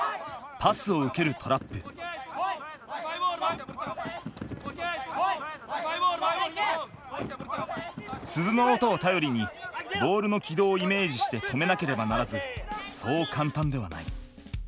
パスを受ける鈴の音を頼りにボールの軌道をイメージして止めなければならずそう簡単ではない。